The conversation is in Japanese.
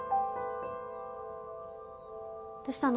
どうしたの？